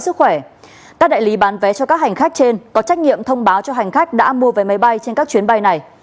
sức khỏe các đại lý bán vé cho các hành khách trên có trách nhiệm thông báo cho hành khách đã mua vé máy bay trên các chuyến bay này